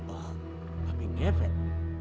oh babi ngepet